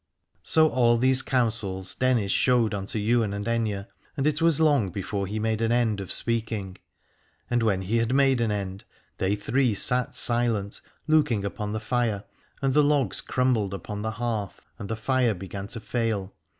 So all these counsels Dennis showed unto Ywain and Aithne, and it was long before he made an end of speaking. And when he had made an end they three sat silent, looking upon the fire ; and the logs crumbled upon the hearth and the fire began to fail.